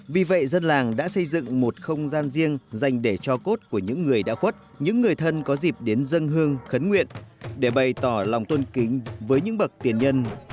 vì vậy dân làng đã xây dựng một không gian riêng dành để cho cốt của những người đã khuất những người thân có dịp đến dân hương khấn nguyện để bày tỏ lòng tôn kính với những bậc tiền nhân